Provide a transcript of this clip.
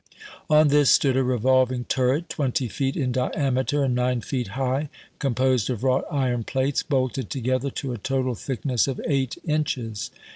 On this stood a revolving turret, twenty feet in diameter and nine feet high, composed of wrought iron plates bolted together to a total 220 ABRAHAM LINCOLN CH. XIII. thickness of eight inches.